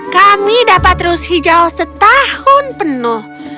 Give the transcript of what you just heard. kami dapat terus hijau setahun penuh